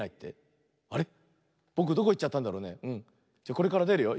これからでるよ。